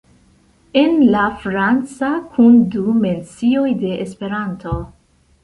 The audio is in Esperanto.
En la franca kun du mencioj de Esperanto.